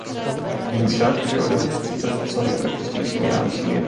Vím však, že ode mě chcete co nejpraktičtější vyjádření.